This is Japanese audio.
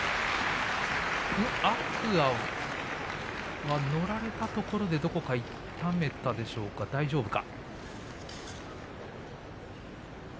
天空海が乗られたところでどこか痛めたでしょうか、大丈夫か。